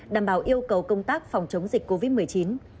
đảm bảo yêu cầu công tác phòng chống dịch covid một mươi chín